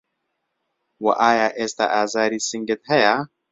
وه ئایا ئێستا ئازاری سنگت هەیە